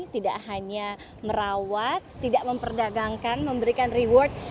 tidak hanya merawat tidak memperdagangkan memberikan reward